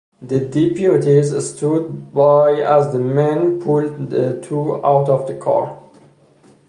The deputies stood by as the men pulled the two out of the car.